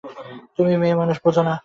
তুমি মেয়েমানুষ, বোঝ না।